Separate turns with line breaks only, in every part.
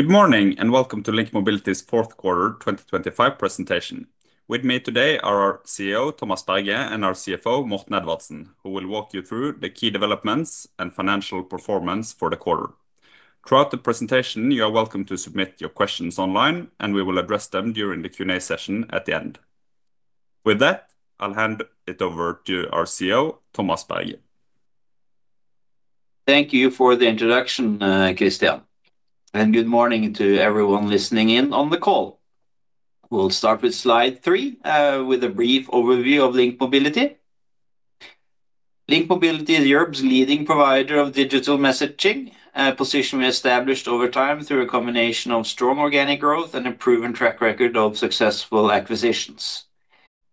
Good morning, and welcome to Link Mobility's fourth quarter 2025 presentation. With me today are our CEO, Thomas Berge, and our CFO, Morten Edvardsen, who will walk you through the key developments and financial performance for the quarter. Throughout the presentation, you are welcome to submit your questions online, and we will address them during the Q&A session at the end. With that, I'll hand it over to our CEO, Thomas Berge.
Thank you for the introduction, Christian, and good morning to everyone listening in on the call. We'll start with slide 3, with a brief overview of Link Mobility. Link Mobility is Europe's leading provider of digital messaging, a position we established over time through a combination of strong organic growth and a proven track record of successful acquisitions.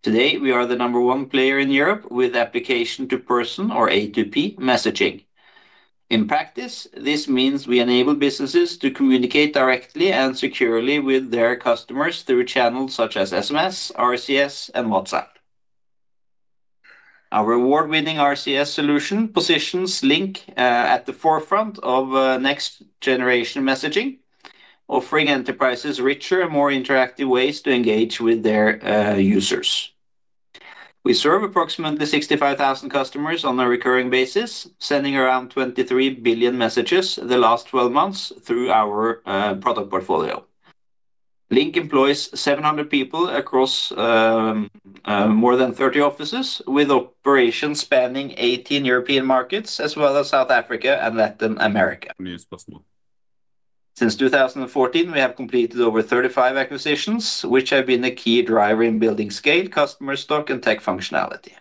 Today, we are the number one player in Europe with application-to-person or A2P messaging. In practice, this means we enable businesses to communicate directly and securely with their customers through channels such as SMS, RCS, and WhatsApp. Our award-winning RCS solution positions Link at the forefront of next-generation messaging, offering enterprises richer and more interactive ways to engage with their users. We serve approximately 65,000 customers on a recurring basis, sending around 23 billion messages the last 12 months through our product portfolio. Link employs 700 people across more than 30 offices, with operations spanning 18 European markets, as well as South Africa and Latin America. Since 2014, we have completed over 35 acquisitions, which have been a key driver in building scale, customer stock, and tech functionality.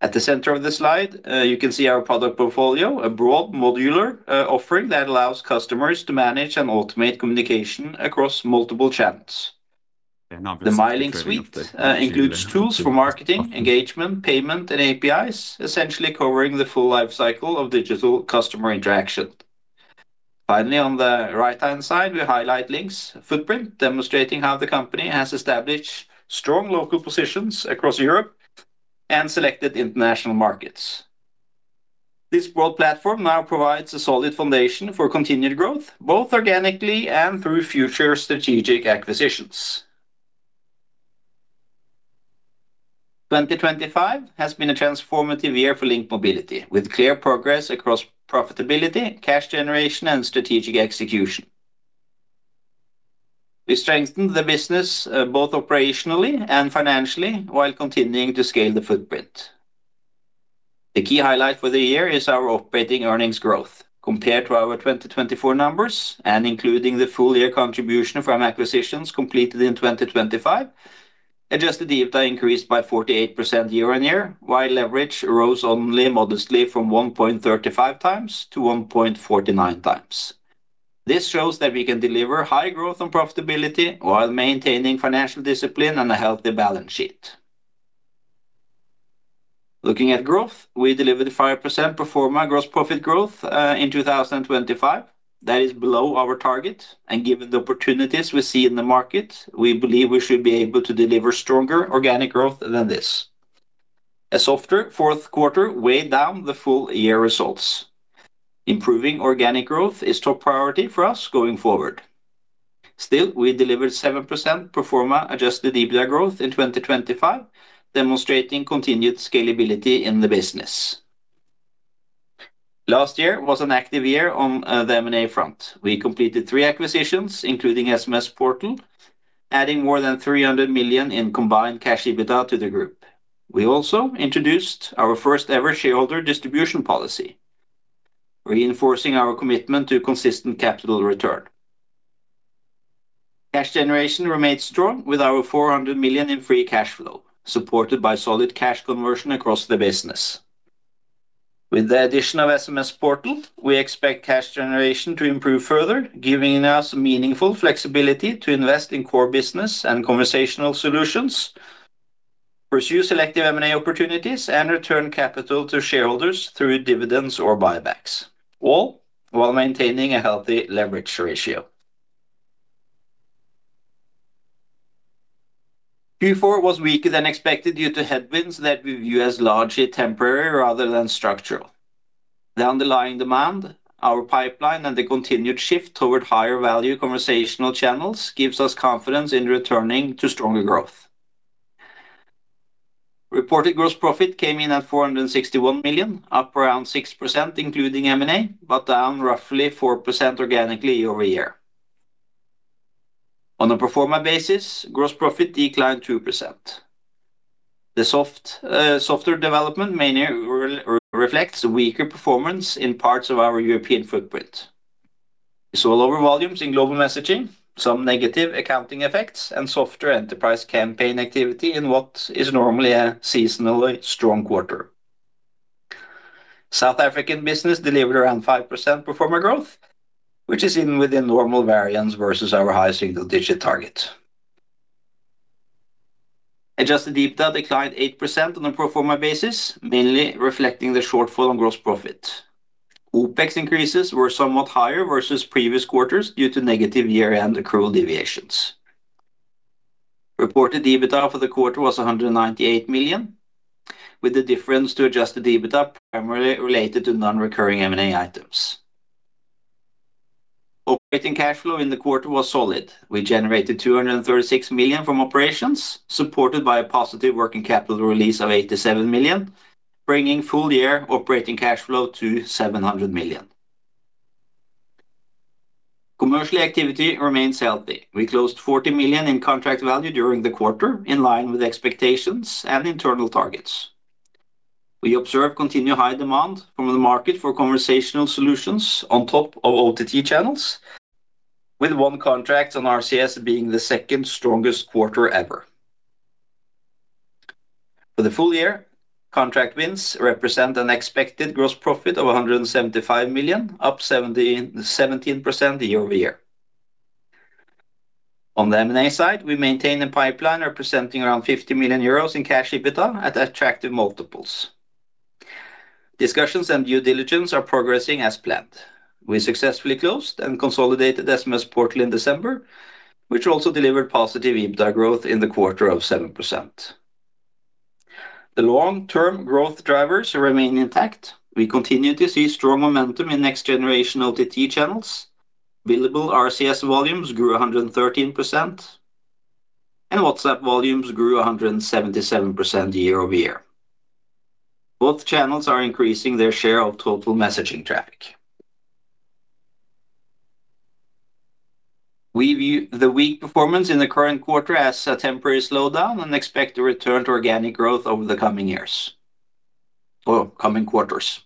At the center of the slide, you can see our product portfolio, a broad modular offering that allows customers to manage and automate communication across multiple channels. The MyLink suite includes tools for marketing, engagement, payment, and APIs, essentially covering the full life cycle of digital customer interaction. Finally, on the right-hand side, we highlight Link's footprint, demonstrating how the company has established strong local positions across Europe and selected international markets. This broad platform now provides a solid foundation for continued growth, both organically and through future strategic acquisitions. 2025 has been a transformative year for Link Mobility, with clear progress across profitability, cash generation, and strategic execution. We strengthened the business both operationally and financially, while continuing to scale the footprint. The key highlight for the year is our operating earnings growth. Compared to our 2024 numbers, and including the full year contribution from acquisitions completed in 2025, Adjusted EBITDA increased by 48% year-on-year, while leverage rose only modestly from 1.35x to 1.49x. This shows that we can deliver high growth and profitability while maintaining financial discipline and a healthy balance sheet. Looking at growth, we delivered a 5% pro forma gross profit growth in 2025. That is below our target, and given the opportunities we see in the market, we believe we should be able to deliver stronger organic growth than this. A softer fourth quarter weighed down the full year results. Improving organic growth is top priority for us going forward. Still, we delivered 7% pro forma adjusted EBITDA growth in 2025, demonstrating continued scalability in the business. Last year was an active year on the M&A front. We completed three acquisitions, including SMSPortal, adding more than 300 million in combined cash EBITDA to the group. We also introduced our first-ever shareholder distribution policy, reinforcing our commitment to consistent capital return. Cash generation remained strong, with over 400 million in free cash flow, supported by solid cash conversion across the business. With the addition of SMSPortal, we expect cash generation to improve further, giving us meaningful flexibility to invest in core business and conversational solutions, pursue selective M&A opportunities, and return capital to shareholders through dividends or buybacks, all while maintaining a healthy leverage ratio. Q4 was weaker than expected due to headwinds that we view as largely temporary rather than structural. The underlying demand, our pipeline, and the continued shift toward higher-value conversational channels gives us confidence in returning to stronger growth. Reported gross profit came in at 461 million, up around 6%, including M&A, but down roughly 4% organically year-over-year. On a pro forma basis, gross profit declined 2%. The soft, softer development mainly reflects weaker performance in parts of our European footprint. We saw lower volumes in global messaging, some negative accounting effects, and softer enterprise campaign activity in what is normally a seasonally strong quarter. South African business delivered around 5% pro forma growth, which is even within normal variance versus our high single-digit target. Adjusted EBITDA declined 8% on a pro forma basis, mainly reflecting the shortfall on gross profit. OpEx increases were somewhat higher versus previous quarters due to negative year-end accrual deviations. Reported EBITDA for the quarter was 198 million, with the difference to adjusted EBITDA primarily related to non-recurring M&A items. Operating cash flow in the quarter was solid. We generated 236 million from operations, supported by a positive working capital release of 87 million, bringing full year operating cash flow to 700 million. Commercial activity remains healthy. We closed 40 million in contract value during the quarter, in line with expectations and internal targets. We observe continued high demand from the market for conversational solutions on top of OTT channels, with one contract on RCS being the second strongest quarter ever. For the full year, contract wins represent an expected gross profit of 175 million, up 77% year-over-year. On the M&A side, we maintain a pipeline representing around 50 million euros in cash EBITDA at attractive multiples. Discussions and due diligence are progressing as planned. We successfully closed and consolidated SMSPortal in December, which also delivered positive EBITDA growth in the quarter of 7%. The long-term growth drivers remain intact. We continue to see strong momentum in next-generation OTT channels. Billable RCS volumes grew 113%, and WhatsApp volumes grew 177% year-over-year. Both channels are increasing their share of total messaging traffic. We view the weak performance in the current quarter as a temporary slowdown and expect to return to organic growth over the coming years or coming quarters.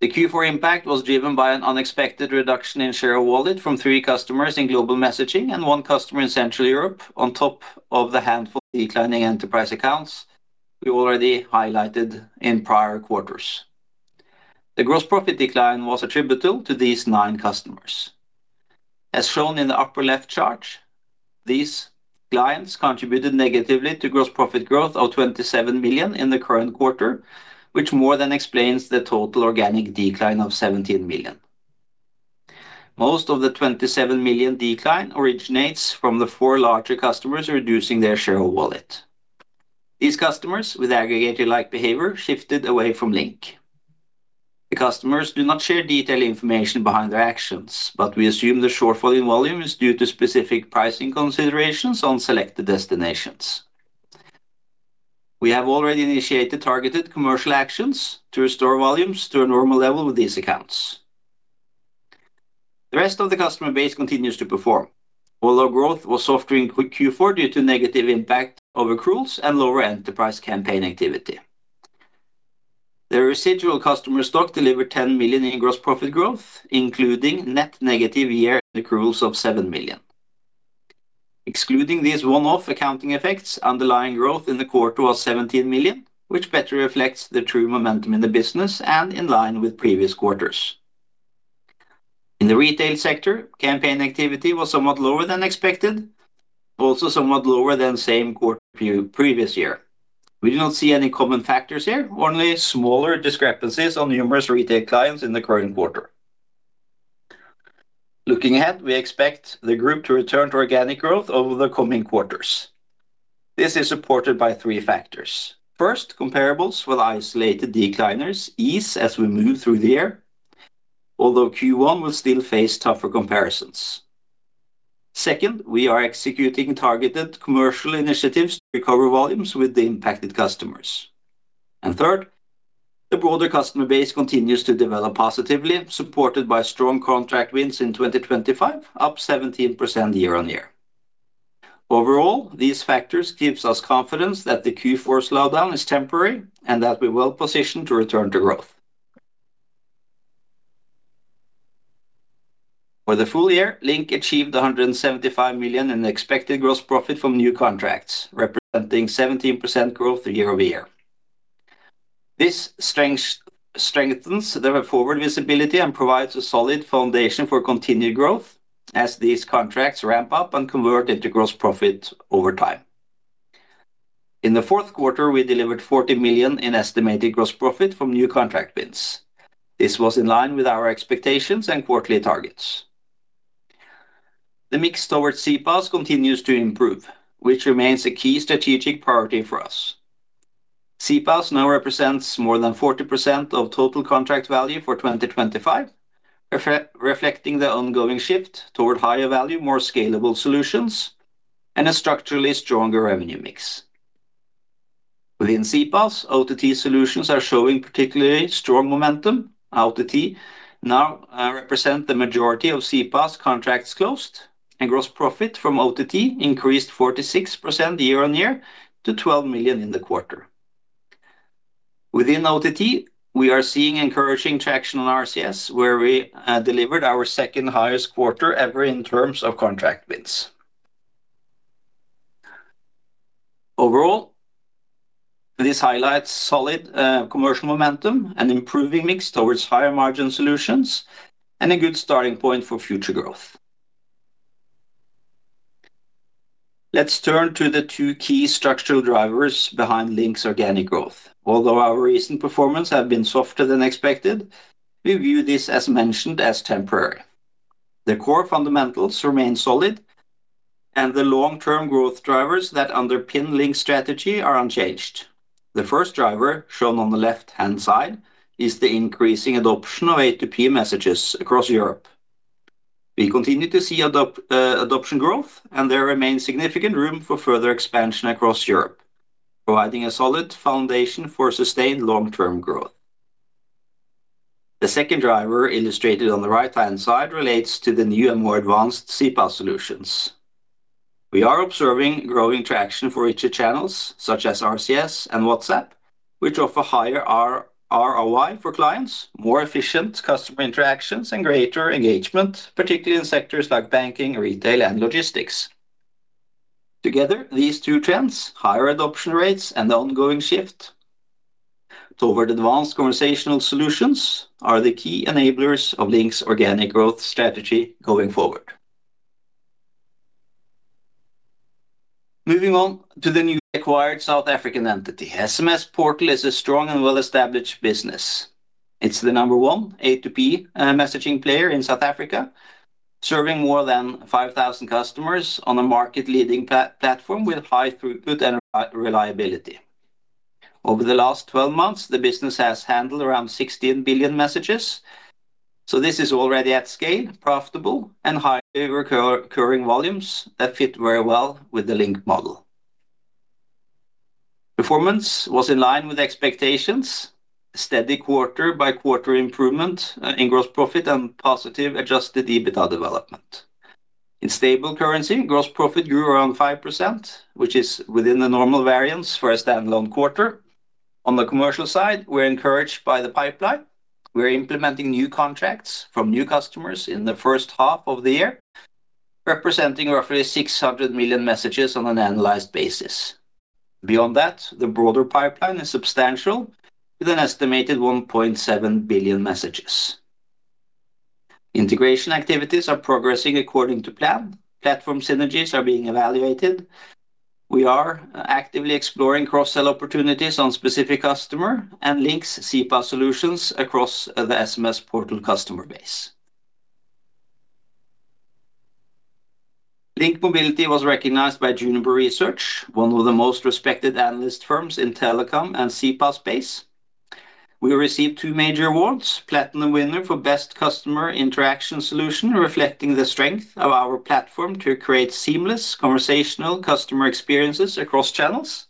The Q4 impact was driven by an unexpected reduction in share of wallet from three customers in global messaging and one customer in Central Europe, on top of the handful of declining enterprise accounts we already highlighted in prior quarters. The gross profit decline was attributable to these nine customers. As shown in the upper left chart, these clients contributed negatively to gross profit growth of 27 million in the current quarter, which more than explains the total organic decline of 17 million. Most of the 27 million decline originates from the 4 larger customers reducing their share of wallet. These customers, with aggregated, like, behavior, shifted away from Link. The customers do not share detailed information behind their actions, but we assume the shortfall in volume is due to specific pricing considerations on selected destinations. We have already initiated targeted commercial actions to restore volumes to a normal level with these accounts. The rest of the customer base continues to perform, although growth was softer in Q4 due to negative impact of accruals and lower enterprise campaign activity. The residual customer stock delivered 10 million in gross profit growth, including net negative year-end accruals of 7 million. Excluding these one-off accounting effects, underlying growth in the quarter was 17 million, which better reflects the true momentum in the business and in line with previous quarters. In the retail sector, campaign activity was somewhat lower than expected, also somewhat lower than same quarter previous year. We do not see any common factors here, only smaller discrepancies on numerous retail clients in the current quarter. Looking ahead, we expect the group to return to organic growth over the coming quarters. This is supported by three factors. First, comparables with isolated decliners ease as we move through the year, although Q1 will still face tougher comparisons. Second, we are executing targeted commercial initiatives to recover volumes with the impacted customers. And third, the broader customer base continues to develop positively, supported by strong contract wins in 2025, up 17% year-on-year. Overall, these factors give us confidence that the Q4 slowdown is temporary and that we're well-positioned to return to growth. For the full year, Link achieved 175 million in expected gross profit from new contracts, representing 17% growth year-over-year. This strength strengthens their forward visibility and provides a solid foundation for continued growth as these contracts ramp up and convert into gross profit over time. In the fourth quarter, we delivered 40 million in estimated gross profit from new contract wins. This was in line with our expectations and quarterly targets. The mix towards CPaaS continues to improve, which remains a key strategic priority for us. CPaaS now represents more than 40% of total contract value for 2025, reflecting the ongoing shift toward higher value, more scalable solutions, and a structurally stronger revenue mix. Within CPaaS, OTT solutions are showing particularly strong momentum. OTT now represents the majority of CPaaS contracts closed, and gross profit from OTT increased 46% year-on-year to 12 million in the quarter. Within OTT, we are seeing encouraging traction on RCS, where we delivered our second highest quarter ever in terms of contract wins. Overall, this highlights solid commercial momentum and improving mix towards higher margin solutions and a good starting point for future growth. Let's turn to the two key structural drivers behind Link's organic growth. Although our recent performance have been softer than expected, we view this, as mentioned, as temporary. The core fundamentals remain solid, and the long-term growth drivers that underpin Link strategy are unchanged. The first driver, shown on the left-hand side, is the increasing adoption of A2P messages across Europe. We continue to see adoption growth, and there remains significant room for further expansion across Europe, providing a solid foundation for sustained long-term growth. The second driver, illustrated on the right-hand side, relates to the new and more advanced CPaaS solutions. We are observing growing traction for richer channels, such as RCS and WhatsApp, which offer higher ROI for clients, more efficient customer interactions, and greater engagement, particularly in sectors like banking, retail, and logistics. Together, these two trends, higher adoption rates and the ongoing shift toward advanced conversational solutions, are the key enablers of Link's organic growth strategy going forward. Moving on to the newly acquired South African entity. SMSPortal is a strong and well-established business. It's the number one A2P messaging player in South Africa, serving more than 5,000 customers on a market-leading platform with high throughput and reliability. Over the last 12 months, the business has handled around 16 billion messages, so this is already at scale, profitable, and high recurring volumes that fit very well with the Link model. Performance was in line with expectations. Steady quarter-by-quarter improvement in gross profit and positive Adjusted EBITDA development. In stable currency, gross profit grew around 5%, which is within the normal variance for a standalone quarter. On the commercial side, we're encouraged by the pipeline. We're implementing new contracts from new customers in the first half of the year, representing roughly 600 million messages on an annualized basis. Beyond that, the broader pipeline is substantial, with an estimated 1.7 billion messages. Integration activities are progressing according to plan. Platform synergies are being evaluated. We are actively exploring cross-sell opportunities on specific customer and Link's CPaaS solutions across the SMSPortal customer base. Link Mobility was recognized by Juniper Research, one of the most respected analyst firms in telecom and CPaaS space. We received two major awards: Platinum Winner for Best Customer Interaction Solution, reflecting the strength of our platform to create seamless conversational customer experiences across channels.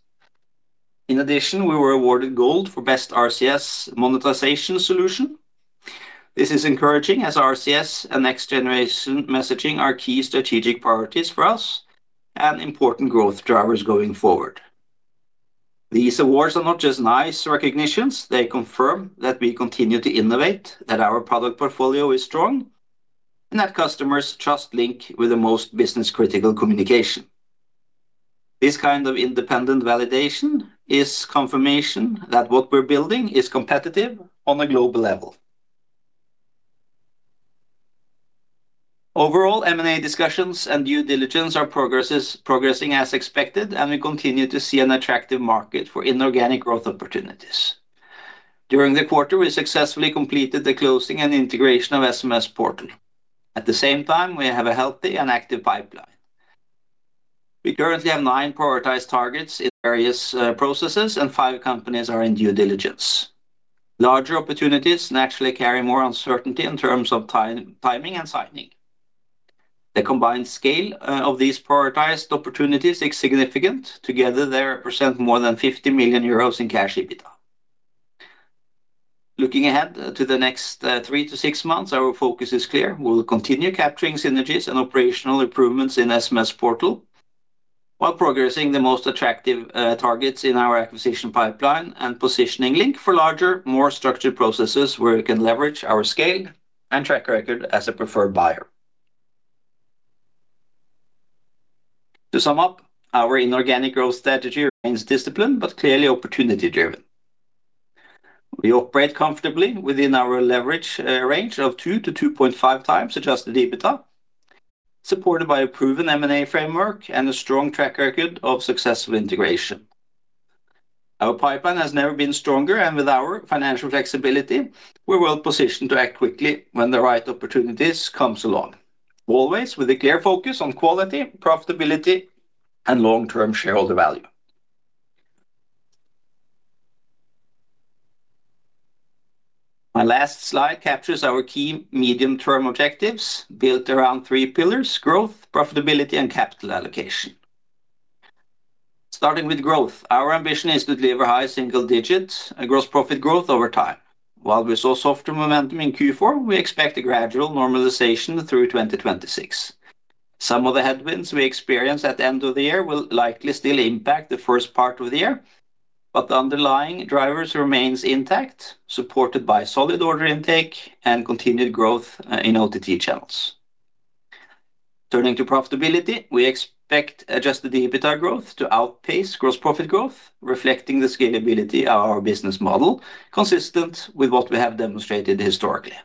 In addition, we were awarded Gold for Best RCS Monetization Solution. This is encouraging, as RCS and next-generation messaging are key strategic priorities for us and important growth drivers going forward. These awards are not just nice recognitions, they confirm that we continue to innovate, that our product portfolio is strong, and that customers trust Link with the most business-critical communication. This kind of independent validation is confirmation that what we're building is competitive on a global level. Overall, M&A discussions and due diligence are progressing as expected, and we continue to see an attractive market for inorganic growth opportunities. During the quarter, we successfully completed the closing and integration of SMSPortal. At the same time, we have a healthy and active pipeline. We currently have nine prioritized targets in various processes, and five companies are in due diligence. Larger opportunities naturally carry more uncertainty in terms of timing and signing. The combined scale of these prioritized opportunities is significant. Together, they represent more than 50 million euros in cash EBITDA. Looking ahead to the next three to six months, our focus is clear. We will continue capturing synergies and operational improvements in SMSPortal, while progressing the most attractive targets in our acquisition pipeline and positioning Link for larger, more structured processes, where we can leverage our scale and track record as a preferred buyer. To sum up, our inorganic growth strategy remains disciplined but clearly opportunity driven. We operate comfortably within our leverage range of 2-2.5 times Adjusted EBITDA, supported by a proven M&A framework and a strong track record of successful integration. Our pipeline has never been stronger, and with our financial flexibility, we're well positioned to act quickly when the right opportunities come along, always with a clear focus on quality, profitability, and long-term shareholder value. My last slide captures our key medium-term objectives, built around three pillars: growth, profitability, and capital allocation. Starting with growth, our ambition is to deliver high single digits and gross profit growth over time. While we saw softer momentum in Q4, we expect a gradual normalization through 2026. Some of the headwinds we experienced at the end of the year will likely still impact the first part of the year, but the underlying drivers remains intact, supported by solid order intake and continued growth in OTT channels. Turning to profitability, we expect adjusted EBITDA growth to outpace gross profit growth, reflecting the scalability of our business model, consistent with what we have demonstrated historically.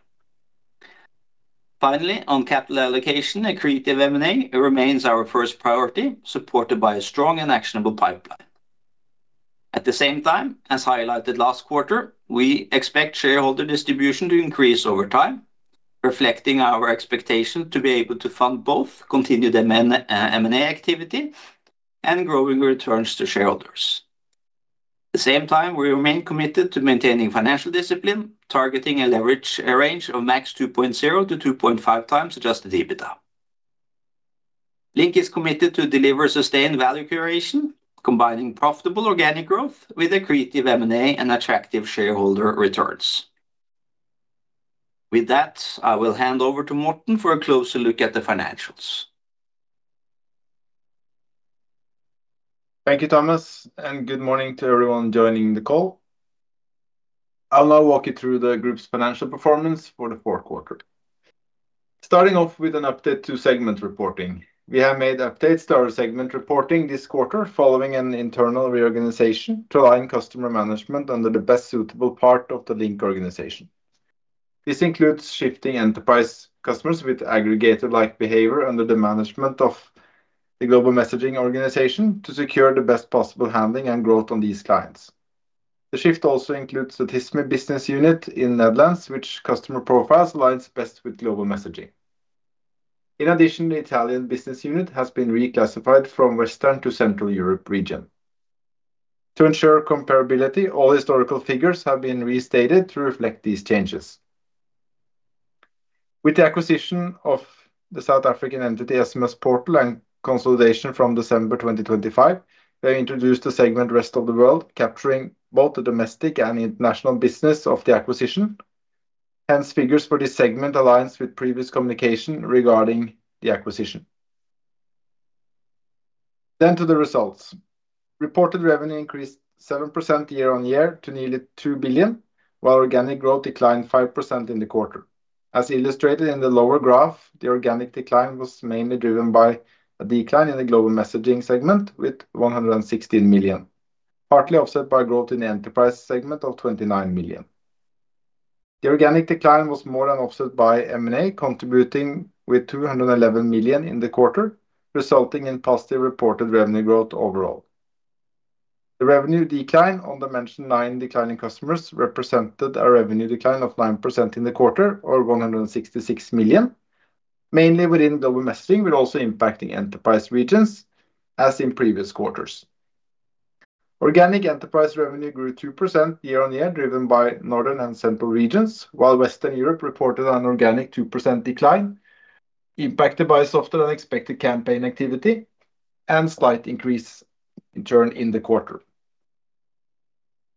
Finally, on capital allocation, accretive M&A remains our first priority, supported by a strong and actionable pipeline. At the same time, as highlighted last quarter, we expect shareholder distribution to increase over time, reflecting our expectation to be able to fund both continued M&A, M&A activity and growing returns to shareholders. At the same time, we remain committed to maintaining financial discipline, targeting a leverage, a range of max 2.0-2.5x adjusted EBITDA. Link is committed to deliver sustained value creation, combining profitable organic growth with accretive M&A and attractive shareholder returns. With that, I will hand over to Morten for a closer look at the financials.
Thank you, Thomas, and good morning to everyone joining the call. I'll now walk you through the group's financial performance for the fourth quarter. Starting off with an update to segment reporting. We have made updates to our segment reporting this quarter, following an internal reorganization to align customer management under the best suitable part of the Link organization. This includes shifting enterprise customers with aggregator-like behavior under the management of the Global Messaging organization, to secure the best possible handling and growth on these clients. The shift also includes the Tismi business unit in Netherlands, which customer profiles aligns best with Global Messaging. In addition, the Italian business unit has been reclassified from Western to Central Europe region. To ensure comparability, all historical figures have been restated to reflect these changes. With the acquisition of the South African entity, SMSPortal, and consolidation from December 2025, we have introduced the segment Rest of the World, capturing both the domestic and international business of the acquisition. Hence, figures for this segment aligns with previous communication regarding the acquisition. Then to the results. Reported revenue increased 7% year-on-year to nearly 2 billion, while organic growth declined 5% in the quarter. As illustrated in the lower graph, the organic decline was mainly driven by a decline in the Global Messaging segment, with 116 million, partly offset by growth in the Enterprise segment of 29 million. The organic decline was more than offset by M&A, contributing with 211 million in the quarter, resulting in positive reported revenue growth overall. The revenue decline on the mentioned 9 declining customers represented a revenue decline of 9% in the quarter, or 166 million, mainly within Global Messaging, but also impacting Enterprise regions, as in previous quarters. Organic Enterprise revenue grew 2% year-on-year, driven by Nordic and Central regions, while Western Europe reported an organic 2% decline, impacted by softer-than-expected campaign activity and slight increase in churn in the quarter.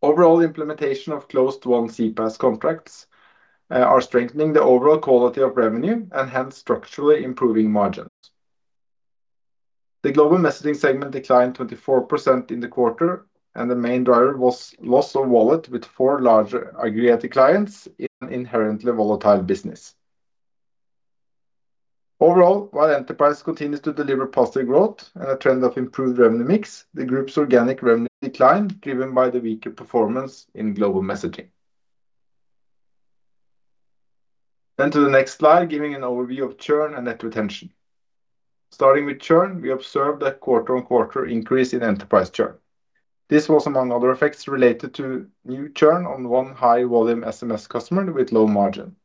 Overall, implementation of closed won CPaaS contracts are strengthening the overall quality of revenue and hence structurally improving margins. The Global Messaging segment declined 24% in the quarter, and the main driver was loss of wallet, with 4 large, aggregated clients in an inherently volatile business. Overall, while Enterprise continues to deliver positive growth and a trend of improved revenue mix, the group's organic revenue declined, driven by the weaker performance in Global Messaging. Then to the next slide, giving an overview of churn and net retention. Starting with churn, we observed a quarter-on-quarter increase in Enterprise churn. This was, among other effects, related to new churn on one high-volume SMS customer with low margin.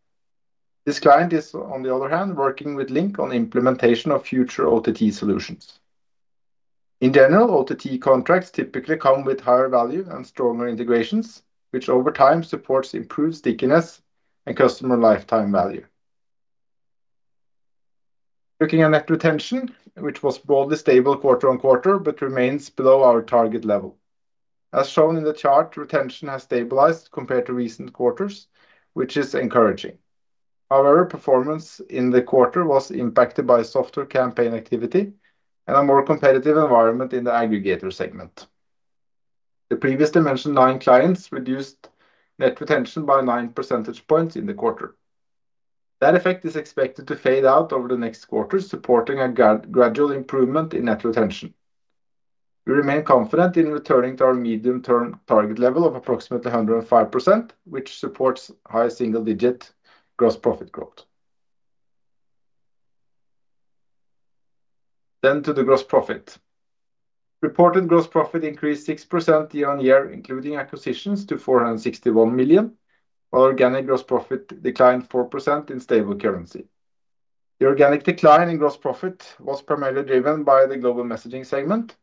This client is, on the other hand, working with Link on implementation of future OTT solutions. In general, OTT contracts typically come with higher value and stronger integrations, which over time supports improved stickiness and customer lifetime value. Looking at net retention, which was broadly stable quarter-on-quarter, but remains below our target level. As shown in the chart, retention has stabilized compared to recent quarters, which is encouraging. However, performance in the quarter was impacted by softer campaign activity and a more competitive environment in the aggregator segment. The previously mentioned nine clients reduced net retention by nine percentage points in the quarter. That effect is expected to fade out over the next quarter, supporting a gradual improvement in net retention. We remain confident in returning to our medium-term target level of approximately 105%, which supports high single-digit gross profit growth. Then to the gross profit. Reported gross profit increased 6% year-on-year, including acquisitions, to 461 million, while organic gross profit declined 4% in stable currency. The organic decline in gross profit was primarily driven by the Global Messaging segment,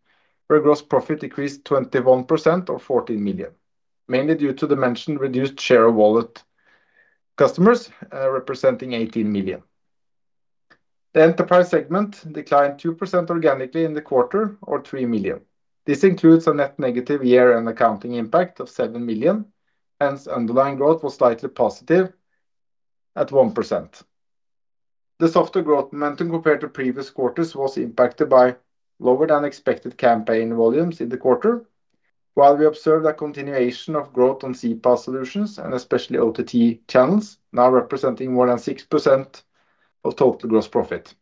where gross profit decreased 21% or 14 million, mainly due to the mentioned reduced share of wallet customers, representing 18 million. The Enterprise segment declined 2% organically in the quarter, or 3 million. This includes a net negative year and accounting impact of 7 million, hence, underlying growth was slightly positive at 1%. The softer growth momentum compared to previous quarters was impacted by lower-than-expected campaign volumes in the quarter. While we observed a continuation of growth on CPaaS solutions and especially OTT channels, now representing more than 6% of total gross profit.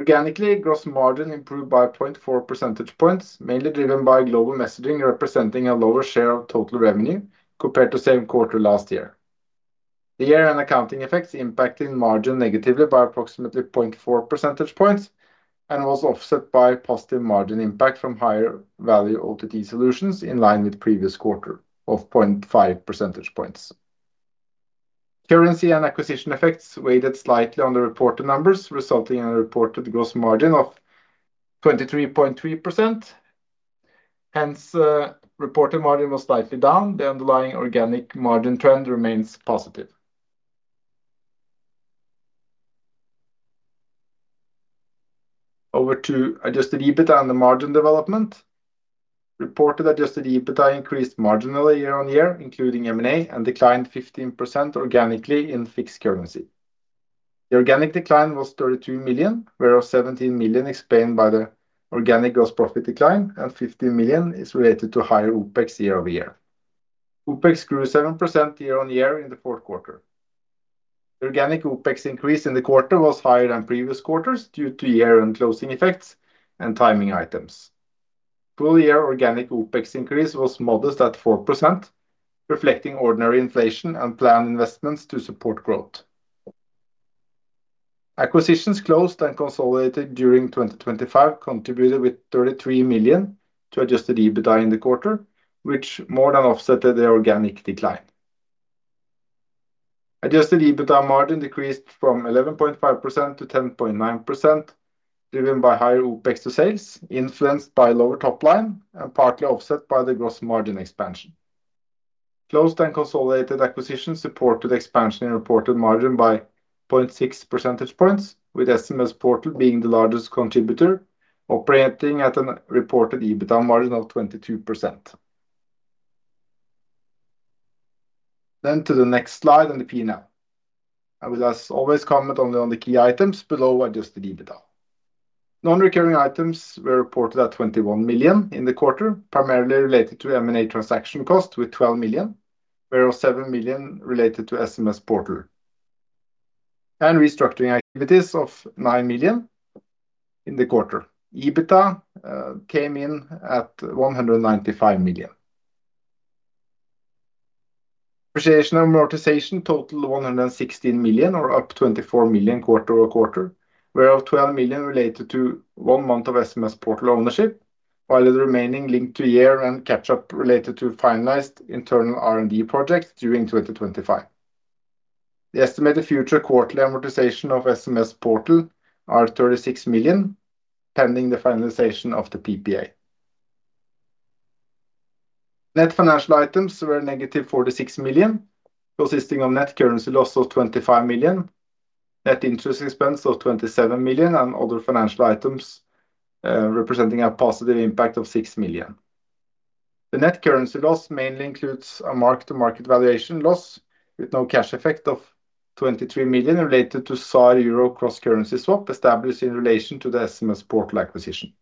Organically, gross margin improved by 0.4 percentage points, mainly driven by Global Messaging, representing a lower share of total revenue compared to same quarter last year. The year-end accounting effects impacted margin negatively by approximately 0.4 percentage points, and was offset by positive margin impact from higher value OTT solutions, in line with previous quarter of 0.5 percentage points. Currency and acquisition effects weighed slightly on the reported numbers, resulting in a reported gross margin of 23.3%. Hence, reported margin was slightly down. The underlying organic margin trend remains positive. Over to adjusted EBITDA and the margin development. Reported adjusted EBITDA increased marginally year-on-year, including M&A, and declined 15% organically in fixed currency. The organic decline was 32 million, whereas 17 million explained by the organic gross profit decline, and 15 million is related to higher OpEx year-over-year. OpEx grew 7% year-on-year in the fourth quarter. Organic OpEx increase in the quarter was higher than previous quarters due to year-end closing effects and timing items. Full year organic OpEx increase was modest at 4%, reflecting ordinary inflation and planned investments to support growth. Acquisitions closed and consolidated during 2025, contributed with 33 million to adjusted EBITDA in the quarter, which more than offset the organic decline. Adjusted EBITDA margin decreased from 11.5% to 10.9%, driven by higher OpEx to sales, influenced by lower top line, and partly offset by the gross margin expansion. Closed and consolidated acquisitions supported expansion in reported margin by 0.6 percentage points, with SMSPortal being the largest contributor, operating at a reported EBITDA margin of 22%. Then to the next slide and the P&L. I will, as always, comment only on the key items below adjusted EBITDA. Non-recurring items were reported at 21 million in the quarter, primarily related to M&A transaction cost, with 12 million, whereas 7 million related to SMSPortal. Restructuring activities of 9 million in the quarter. EBITDA came in at 195 million. Depreciation and amortization totaled 116 million, or up 24 million quarter-over-quarter, whereof 12 million related to one month of SMSPortal ownership, while the remaining linked to year-end catch-up related to finalized internal R&D projects during 2025. The estimated future quarterly amortization of SMSPortal are 36 million, pending the finalization of the PPA. Net financial items were -46 million, consisting of net currency loss of 25 million, net interest expense of 27 million, and other financial items representing a positive impact of 6 million. The net currency loss mainly includes a mark-to-market valuation loss, with no cash effect of 23 million related to ZAR-Euro cross currency swap established in relation to the SMSPortal acquisition.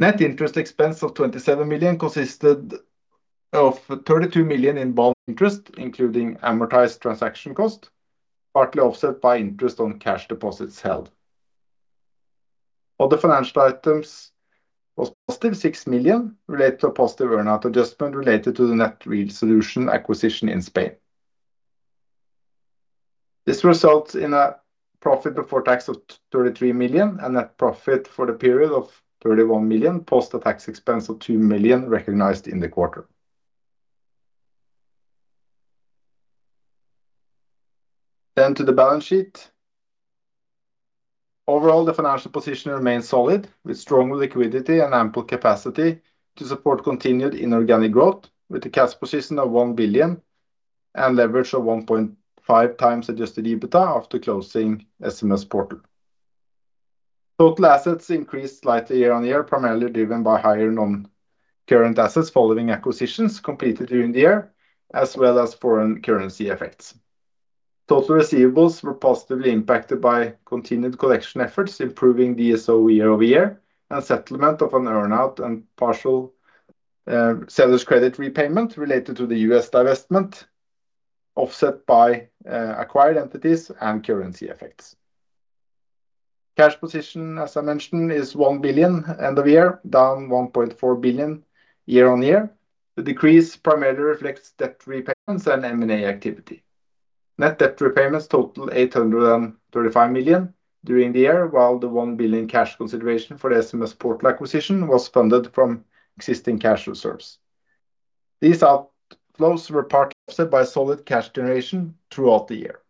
Net interest expense of 27 million consisted of 32 million in bond interest, including amortized transaction cost, partly offset by interest on cash deposits held. Other financial items was positive 6 million, related to a positive earn-out adjustment related to the Net Real Solutions acquisition in Spain. This results in a profit before tax of 33 million and net profit for the period of 31 million, post-tax expense of 2 million recognized in the quarter. Then to the balance sheet. Overall, the financial position remains solid, with strong liquidity and ample capacity to support continued inorganic growth, with a cash position of 1 billion and leverage of 1.5 times adjusted EBITDA after closing SMSPortal. Total assets increased slightly year-on-year, primarily driven by higher non-current assets following acquisitions completed during the year, as well as foreign currency effects. Total receivables were positively impacted by continued collection efforts, improving the DSO year-over-year, and settlement of an earn-out and partial seller's credit repayment related to the U.S. divestment, offset by acquired entities and currency effects. Cash position, as I mentioned, is 1 billion end of year, down 1.4 billion year-on-year. The decrease primarily reflects debt repayments and M&A activity. Net debt repayments total 835 million during the year, while the 1 billion cash consideration for the SMSPortal acquisition was funded from existing cash reserves. These outflows were partly offset by solid cash generation throughout the year.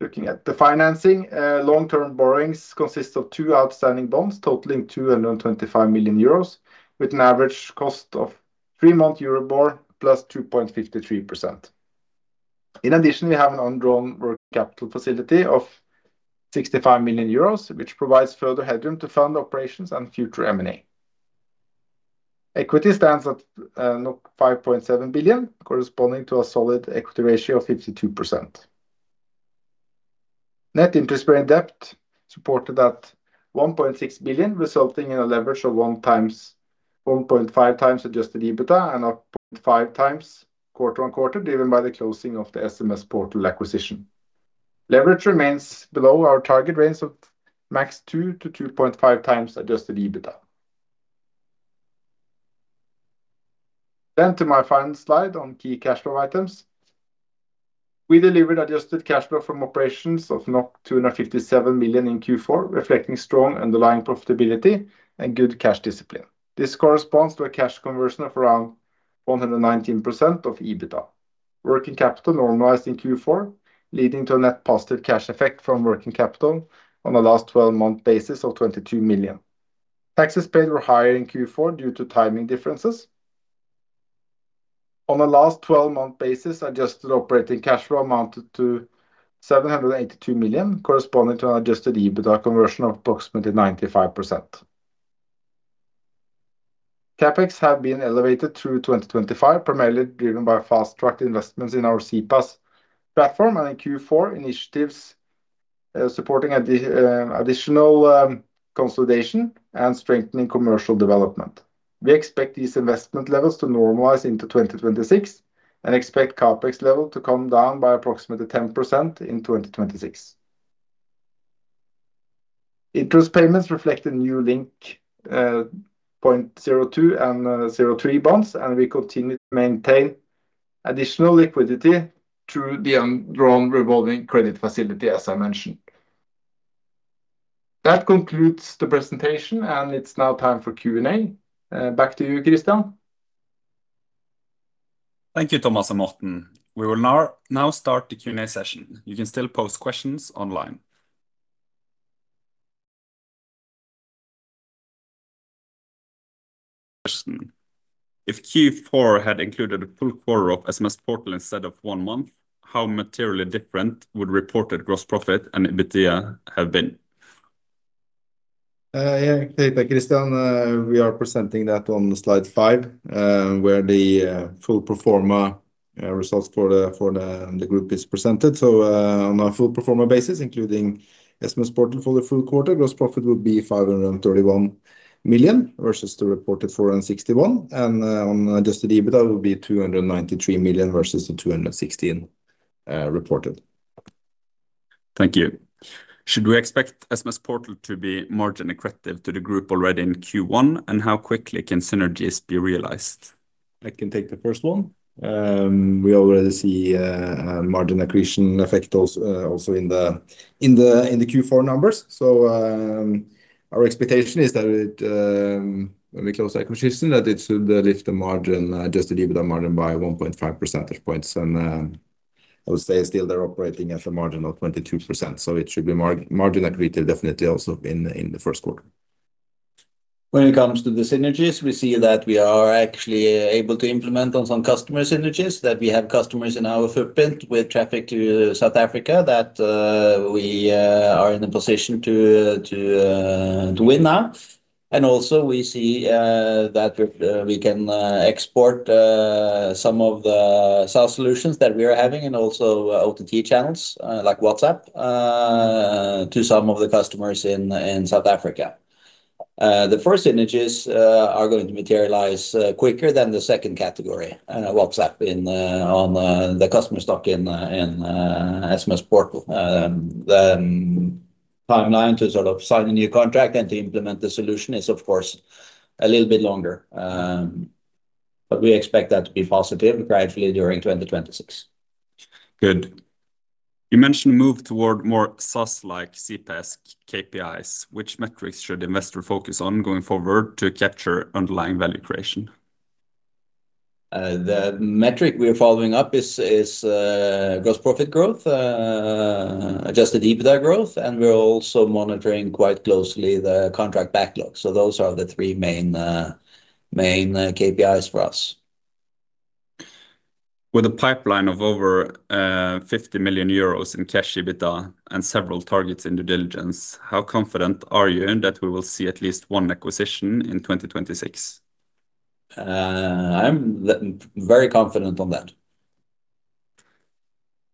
Looking at the financing, long-term borrowings consist of two outstanding bonds, totaling 225 million euros, with an average cost of three-month Euribor plus 2.53%. In addition, we have an undrawn working capital facility of 65 million euros, which provides further headroom to fund operations and future M&A. Equity stands at 5.7 billion NOK, corresponding to a solid equity ratio of 52%. Net interest-bearing debt stood at 1.6 billion, resulting in a leverage of 1x-1.5x adjusted EBITDA and up 0.5x quarter-on-quarter, driven by the closing of the SMS Portal acquisition. Leverage remains below our target range of max 2x-2.5x adjusted EBITDA.... Then to my final slide on key cash flow items. We delivered adjusted cash flow from operations of 257 million in Q4, reflecting strong underlying profitability and good cash discipline. This corresponds to a cash conversion of around 119% of EBITDA. Working capital normalized in Q4, leading to a net positive cash effect from working capital on the last twelve-month basis of 22 million. Taxes paid were higher in Q4 due to timing differences. On the last twelve-month basis, adjusted operating cash flow amounted to 782 million, corresponding to an adjusted EBITDA conversion of approximately 95%. CapEx have been elevated through 2025, primarily driven by fast-tracked investments in our CPaaS platform and in Q4 initiatives supporting additional consolidation and strengthening commercial development. We expect these investment levels to normalize into 2026, and expect CapEx level to come down by approximately 10% in 2026. Interest payments reflect a new Link 02 and 03 bonds, and we continue to maintain additional liquidity through the undrawn revolving credit facility, as I mentioned. That concludes the presentation, and it's now time for Q&A. Back to you, Christian.
Thank you, Thomas and Morten. We will now start the Q&A session. You can still post questions online. Question: If Q4 had included a full quarter of SMSPortal instead of one month, how materially different would reported gross profit and EBITDA have been?
Yeah, thank you, Christian. We are presenting that on slide 5, where the full pro forma results for the group is presented. So, on a full pro forma basis, including SMSPortal for the full quarter, gross profit will be 531 million, versus the reported 461 million, and on Adjusted EBITDA will be 293 million, versus the 216 million reported.
Thank you. Should we expect SMSPortal to be margin accretive to the group already in Q1, and how quickly can synergies be realized?
I can take the first one. We already see a margin accretion effect also in the Q4 numbers. So, our expectation is that it, when we close the acquisition, that it should lift the margin, adjusted EBITDA margin by 1.5 percentage points. And, I would say still they're operating at a margin of 22%, so it should be margin accretive definitely also in the first quarter. When it comes to the synergies, we see that we are actually able to implement on some customer synergies, that we have customers in our footprint with traffic to South Africa that we are in a position to win now. And also we see that we can export some of the our solutions that we are having and also OTT channels like WhatsApp to some of the customers in South Africa. The first synergies are going to materialize quicker than the second category. And WhatsApp on the customer stock in SMSPortal, the timeline to sort of sign a new contract and to implement the solution is, of course, a little bit longer. But we expect that to be positive gradually during 2026.
Good. You mentioned a move toward more SaaS like CPaaS, KPIs. Which metrics should investors focus on going forward to capture underlying value creation?
The metric we are following up is gross profit growth, Adjusted EBITDA growth, and we're also monitoring quite closely the contract backlog. So those are the three main KPIs for us.
With a pipeline of over 50 million euros in cash EBITDA and several targets in due diligence, how confident are you in that we will see at least one acquisition in 2026?
I'm very confident on that.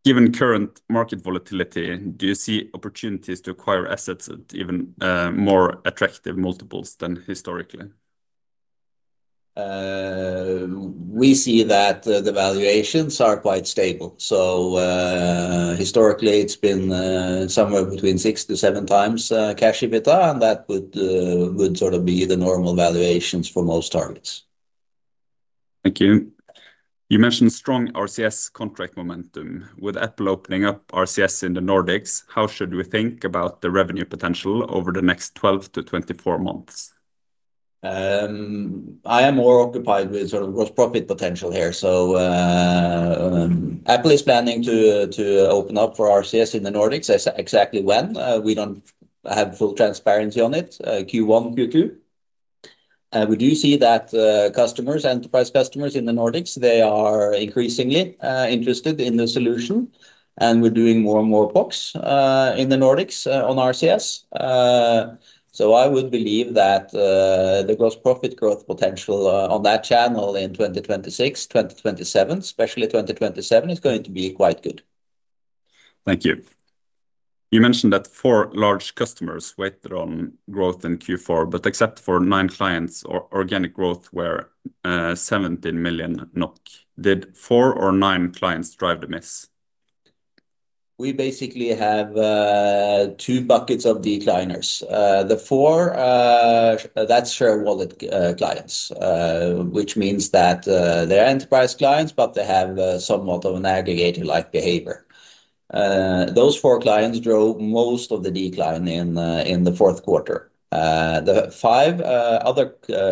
Given current market volatility, do you see opportunities to acquire assets at even more attractive multiples than historically?
We see that the valuations are quite stable. So, historically, it's been somewhere between 6-7 times cash EBITDA, and that would sort of be the normal valuations for most targets.
Thank you. You mentioned strong RCS contract momentum. With Apple opening up RCS in the Nordics, how should we think about the revenue potential over the next 12-24 months?
I am more occupied with sort of gross profit potential here. So, Apple is planning to open up for RCS in the Nordics. Exactly when, we don't have full transparency on it, Q1, Q2. We do see that, customers- enterprise customers in the Nordics, they are increasingly interested in the solution, and we're doing more and more PoCs, in the Nordics, on RCS. So I would believe that, the gross profit growth potential, on that channel in 2026, 2027, especially 2027, is going to be quite good.
Thank you. You mentioned that 4 large customers weighed on growth in Q4, but except for 9 clients, or organic growth were, 17 million NOK. Did 4 or 9 clients drive the miss? ...
We basically have two buckets of decliners. The four, that's share wallet clients, which means that they're enterprise clients, but they have somewhat of an aggregator-like behavior. Those four clients drove most of the decline in the fourth quarter. The five other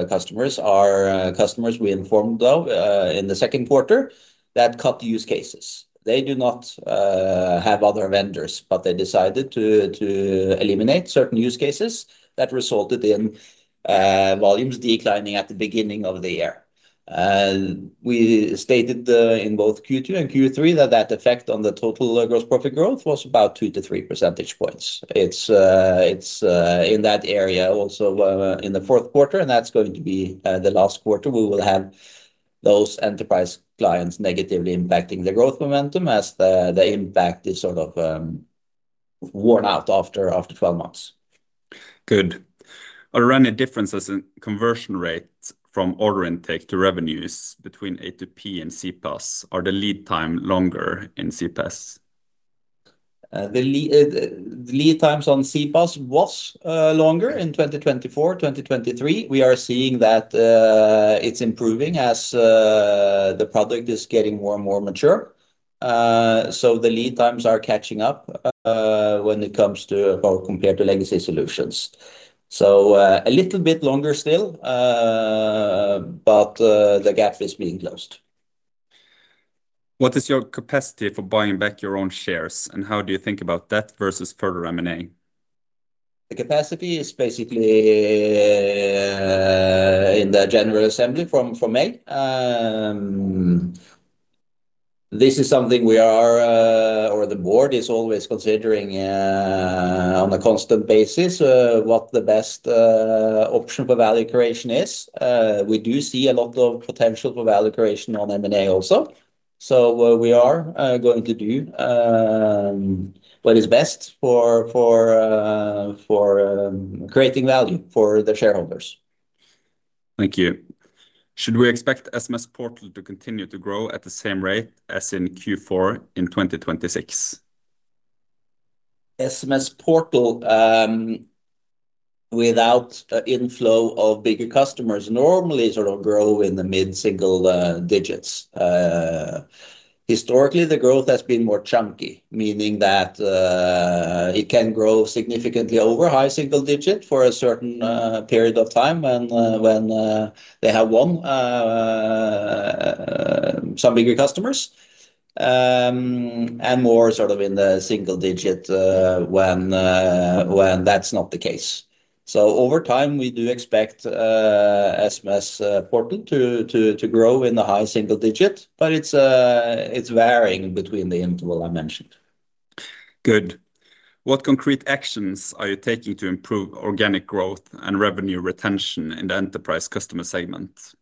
customers are customers we informed of in the second quarter that cut use cases. They do not have other vendors, but they decided to eliminate certain use cases that resulted in volumes declining at the beginning of the year. We stated in both Q2 and Q3 that that effect on the total gross profit growth was about 2-3 percentage points. It's in that area also, in the fourth quarter, and that's going to be the last quarter we will have those enterprise clients negatively impacting the growth momentum as the impact is sort of worn out after 12 months.
Good. Are there any differences in conversion rate from order intake to revenues between A2P and CPaaS? Are the lead time longer in CPaaS?
The lead times on CPaaS was longer in 2024, 2023. We are seeing that it's improving as the product is getting more and more mature. So the lead times are catching up when it comes to about compared to legacy solutions. So, a little bit longer still, but the gap is being closed.
What is your capacity for buying back your own shares, and how do you think about that versus further M&A?
The capacity is basically in the general assembly from May. This is something we are or the board is always considering on a constant basis what the best option for value creation is. We do see a lot of potential for value creation on M&A also. So what we are going to do, what is best for creating value for the shareholders.
Thank you. Should we expect SMS Portal to continue to grow at the same rate as in Q4 in 2026?
SMSPortal, without the inflow of bigger customers, normally sort of grow in the mid-single digits. Historically, the growth has been more chunky, meaning that it can grow significantly over high single digit for a certain period of time when they have won some bigger customers. And more sort of in the single digit when that's not the case. So over time, we do expect SMSPortal to grow in the high single digit, but it's varying between the interval I mentioned.
Good. What concrete actions are you taking to improve organic growth and revenue retention in the enterprise customer segment?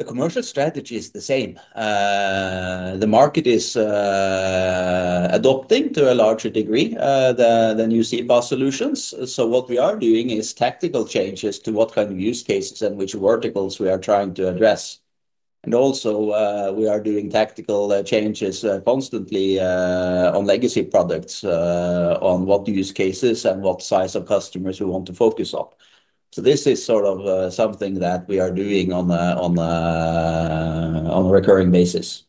The commercial strategy is the same. The market is adopting to a larger degree the new CPaaS solutions. So what we are doing is tactical changes to what kind of use cases and which verticals we are trying to address. And also, we are doing tactical changes constantly on legacy products on what use cases and what size of customers we want to focus on. So this is sort of something that we are doing on a recurring basis.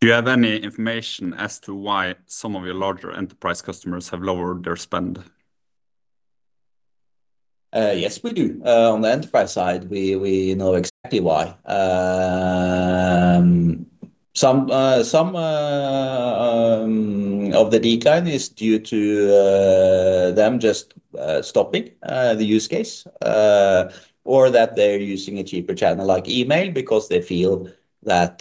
Do you have any information as to why some of your larger enterprise customers have lowered their spend?
Yes, we do. On the enterprise side, we know exactly why. Some of the decline is due to them just stopping the use case or that they're using a cheaper channel, like email, because they feel that